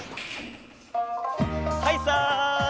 はいさい！